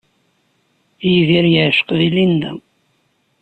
Yidir yeɛceq di Linda.